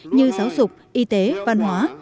như giáo dục y tế văn hóa